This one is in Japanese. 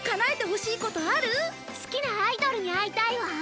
好きなアイドルに会いたいわ